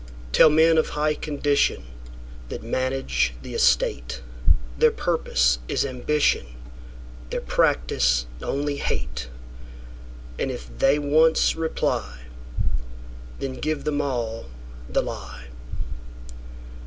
Tell men of high condition, That manage the estate, Their purpose is ambition, Their practice only hate:And if they once reply, Then give them all the lie.